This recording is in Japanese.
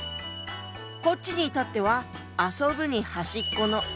こっちに至っては「遊ぶ」に端っこの「端」で「遊端」。